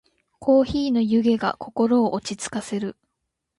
コーヒーの湯気が心を落ち着かせる。